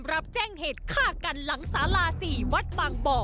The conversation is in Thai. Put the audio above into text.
รับแจ้งเหตุฆ่ากันหลังสาลา๔วัดบางบ่อ